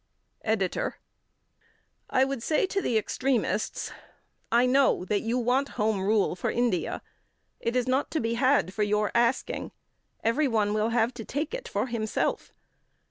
EDITOR: I would say to the extremists: "I know that you want Home Rule for India; it is not to be had for your asking. Everyone will have to take it for himself.